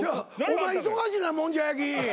お前忙しいからもんじゃ焼き。